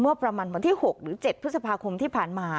เมื่อประมาณวันที่๖หรือ๗พฤษภาคมที่ผ่านมา